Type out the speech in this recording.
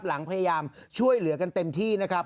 พยายามช่วยเหลือกันเต็มที่นะครับ